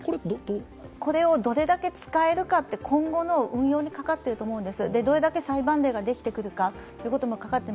これをどれだけ使えるかって今後の運用に関わってると思うんです。